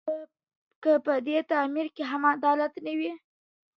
که په دې تعمیر کي هم عدالت نه وي `